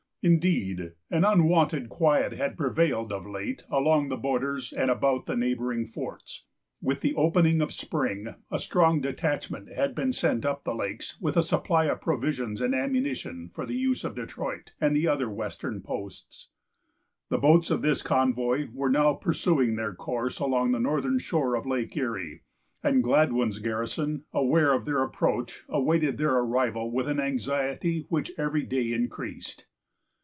Indeed, an unwonted quiet had prevailed, of late, along the borders and about the neighboring forts. With the opening of spring, a strong detachment had been sent up the lakes, with a supply of provisions and ammunition for the use of Detroit and the other western posts. The boats of this convoy were now pursuing their course along the northern shore of Lake Erie; and Gladwyn's garrison, aware of their approach, awaited their arrival with an anxiety which every day increased.